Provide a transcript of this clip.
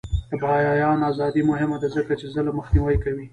د بیان ازادي مهمه ده ځکه چې ظلم مخنیوی کوي.